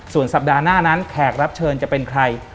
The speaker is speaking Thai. ส่วนสัปดาห์หน้านั้นแขกรับเชิญจะเป็นใคร